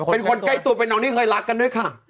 เป็นคนใกล้ตัวเป็นน้องที่เคยรักกันด้วยค่ะ